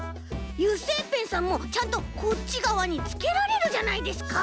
油性ペンさんもちゃんとこっちがわにつけられるじゃないですか！